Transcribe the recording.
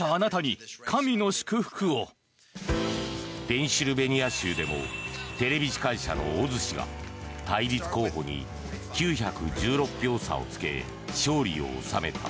ペンシルベニア州でもテレビ司会者のオズ氏が対立候補に９１６票差をつけ勝利を収めた。